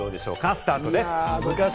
スタートです。